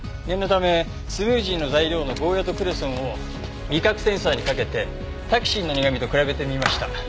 念のためスムージーの材料のゴーヤとクレソンを味覚センサーにかけてタキシンの苦味と比べてみました。